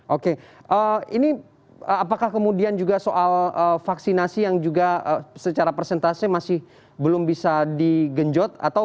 oke ini apakah kemudian juga soal vaksinasi yang juga secara persentase masih belum bisa digenjot